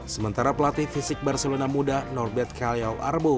sementara pelatih fisik barcelona muda norbert kalliau arbo